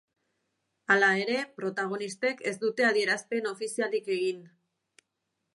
Hala ere, protagonistek ez dute adierazpen ofizialik egin.